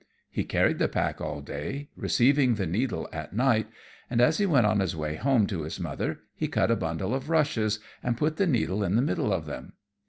He carried the pack all day, receiving the needle at night; and as he went on his way home to his mother, he cut a bundle of rushes and put the needle in the middle of them.